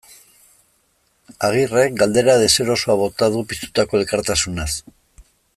Agirrek galdera deserosoa bota du piztutako elkartasunaz.